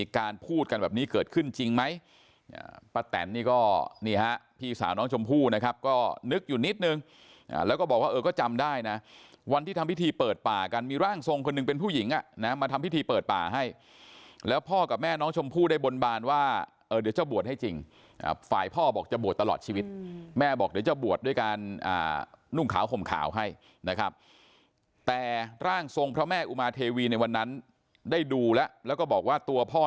การพูดกันแบบนี้เกิดขึ้นจริงไหมป้าแต่นนี่ก็พี่สาวน้องชมพู่นะครับก็นึกอยู่นิดนึงแล้วก็บอกว่าก็จำได้นะวันที่ทำพิธีเปิดป่ากันมีร่างทรงคนหนึ่งเป็นผู้หญิงมาทำพิธีเปิดป่าให้แล้วพ่อกับแม่น้องชมพู่ได้บนบานว่าเดี๋ยวเจ้าบวชให้จริงฝ่ายพ่อบอกจะบวชตลอดชีวิตแม่บอกเดี๋ยวเจ้าบ